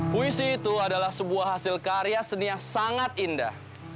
puisi itu adalah sebuah hasil karya seni yang sangat indah